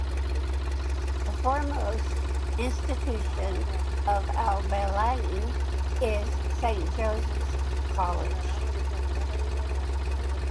The foremost institution of Abaiang is Saint Josephs College.